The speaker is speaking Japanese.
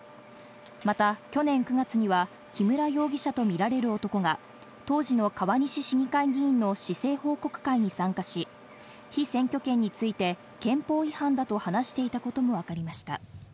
また去年９月には木村容疑者とみられる男が当時の川西市議会議員の市政報告会に参加し、被選挙権について憲法違反だと話していたこともわかりました。